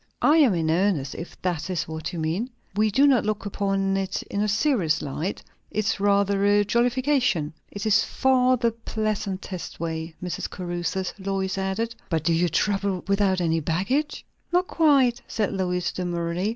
"I am in earnest, if that is what you mean. We do not look upon it in a serious light. It's rather a jollification." "It is far the pleasantest way, Mrs. Caruthers," Lois added. "But do you travel without any baggage?" "Not quite," said Lois demurely.